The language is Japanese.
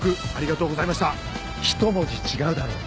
１文字違うだろう！